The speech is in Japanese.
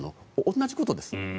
同じことです。